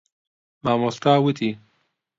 مامۆستا وتی.